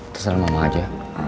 pesan mama aja